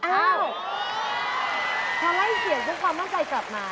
พอไล่เสียงแล้วความมั่นใจกลับมา